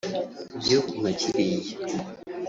Igihugu nka kiriya